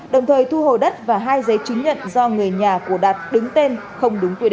đồng thời thu hồi đất và hai giấy chứng nhận do người nhà của đạt đứng tên không đúng quy định